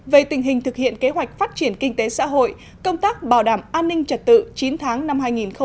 về tình hình thực hiện kế hoạch phát triển kinh tế xã hội công tác bảo đảm an ninh trật tự chín tháng năm hai nghìn hai mươi